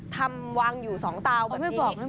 ทำวางอยู่สองเตาแบบนี้